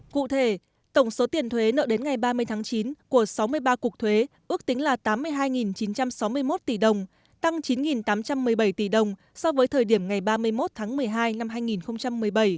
cụ thể tổng số tiền thuế nợ đến ngày ba mươi tháng chín của sáu mươi ba cục thuế ước tính là tám mươi hai chín trăm sáu mươi một tỷ đồng tăng chín tám trăm một mươi bảy tỷ đồng so với thời điểm ngày ba mươi một tháng một mươi hai năm hai nghìn một mươi bảy